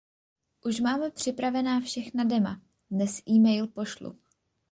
Už máme připravená všechna dema, dnes email pošlu.